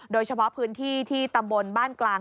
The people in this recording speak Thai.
โดยเฉพาะพื้นที่ที่ตำบลบ้านกลาง